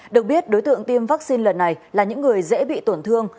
được biết đối tượng tiêm vaccine lần này là những người dễ bị tổn thương